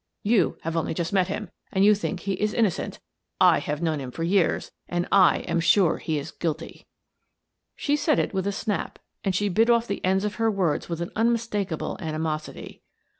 You have only just met him and you think he is innocent. I have known him for years, and I am sure he is guilty." She said it with a snap, and she bit off the ends of her words with an unmistakable animosity.